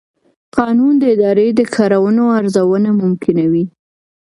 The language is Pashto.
قانون د ادارې د کړنو ارزونه ممکنوي.